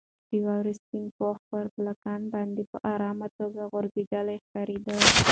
د واورې سپین پوښ پر بالکن باندې په ارامه توګه غوړېدلی ښکارېده.